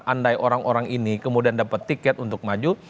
andai orang orang ini kemudian dapat tiket untuk maju